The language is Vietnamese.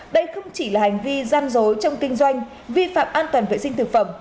đây không chỉ là hành vi gian dối trong kinh doanh vi phạm an toàn vệ sinh thực phẩm